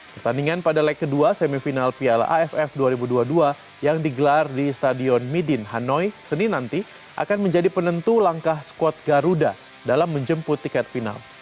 pertandingan pada leg kedua semifinal piala aff dua ribu dua puluh dua yang digelar di stadion midin hanoi senin nanti akan menjadi penentu langkah squad garuda dalam menjemput tiket final